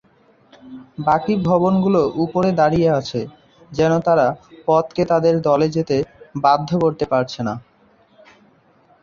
বাকি ভবনগুলো উপরে দাঁড়িয়ে আছে, যেন তারা পথকে তাদের দলে যেতে বাধ্য করতে পারছে না।